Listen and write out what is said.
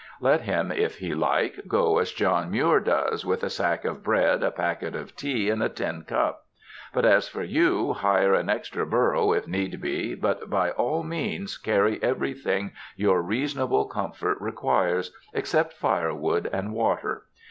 Let him if he like, go as John Muir does, with a sack of bread, a packet of tea and a tin cup; but as for you, hire an extra burro if need be, but by all means carry everything your reasonable comfort requires, except firewood and water.